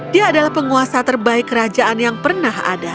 dia adalah penguasa terbaik kerajaan yang pernah ada